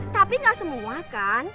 tapi gak semua kan